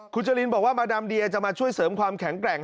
คุณจรินบอกว่ามาดามเดียจะมาช่วยเสริมความแข็งแกร่ง